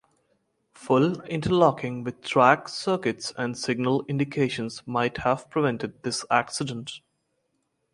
Full interlocking with track circuits and signal indications might have prevented this accident.